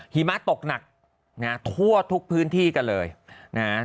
หิมะตกหนักนะฮะทั่วทุกพื้นที่กันเลยนะฮะ